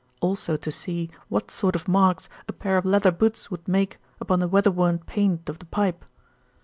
Also to see what sort of marks a pair of leather boots would make upon the weatherworn paint of the pipe.